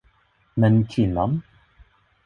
Men kvinnan?